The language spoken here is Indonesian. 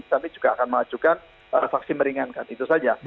kami juga akan mengajukan vaksin meringankan itu saja